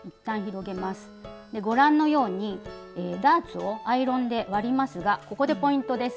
ご覧のようにダーツをアイロンで割りますがここでポイントです。